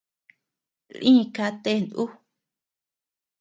Lï ka ten ú.